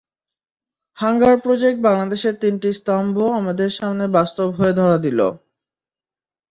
Hunger project বাংলাদেশের তিনটি স্তম্ভ আমাদের সামনে বাস্তব হয়ে ধরা দিল।